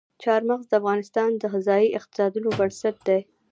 چار مغز د افغانستان د ځایي اقتصادونو بنسټ دی.